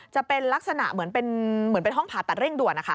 จะเป็นลักษณะเหมือนเป็นเหมือนเป็นห้องผ่าตัดเร่งด่วนนะคะ